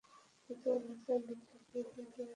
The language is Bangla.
কিছু এলাকা বিদ্যুৎবিহীন হয়ে পড়েছে।